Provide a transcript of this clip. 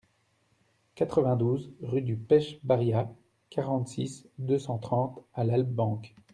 quatre-vingt-douze rue du Pech Barriat, quarante-six, deux cent trente à Lalbenque